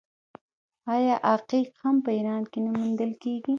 آیا عقیق هم په ایران کې نه موندل کیږي؟